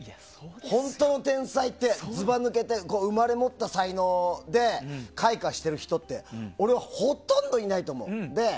本当の天才って、ずば抜けて生まれ持った才能で開花している人って俺は、ほとんどいないと思う。